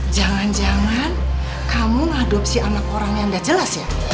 jangan jangan kamu mengadopsi anak orang yang tidak jelas ya